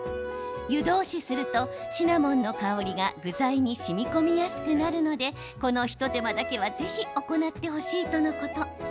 湯通しするとシナモンの香りが具材に、しみこみやすくなるのでこの一手間だけはぜひ行ってほしいとのこと。